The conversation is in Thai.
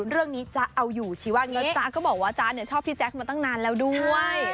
เรื่องนี้จ๊ะเอาอยู่ชีวะนี้เดี๋ยวจ๊ะก็บอกว่าชอบปี่จ๊ะมาตั้งนานแล้วด้วย